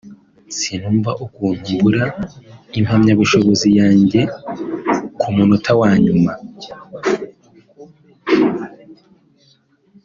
sinumva ukuntu mbura impamyabushobozi yanjye ku munota wanyuma